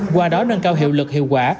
qua đó nâng cao hiệu lực hiệu quả